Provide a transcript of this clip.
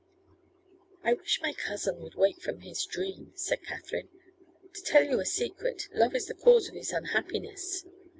'I wish my cousin would wake from his dream,' said Katherine. 'To tell you a secret, love is the cause of his unhappiness.